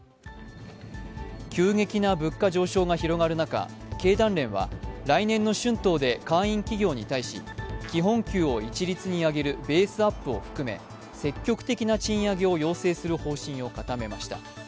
急激な物価上昇が広がる中経団連は来年の春闘で会員企業に対し基本給を一律に上げるベースアップを含め積極的な賃上げを要請する方針を固めました。